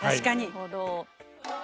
なるほど。